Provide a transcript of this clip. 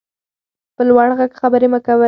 په لوړ غږ خبرې مه کوئ.